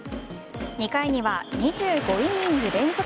２回には２５イニング連続